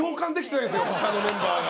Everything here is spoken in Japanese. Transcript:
他のメンバーが。